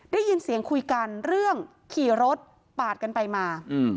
ได้ยินเสียงคุยกันเรื่องขี่รถปาดกันไปมา